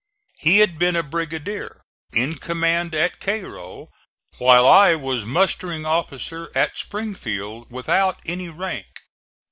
He had been a brigadier, in command at Cairo, while I was mustering officer at Springfield without any rank.